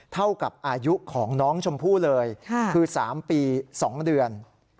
เท่ากับอายุของน้องชมพู่เลยคือ๓ปี๒เดือน